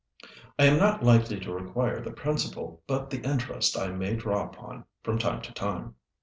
"I am not likely to require the principal, but the interest I may draw upon from time to time."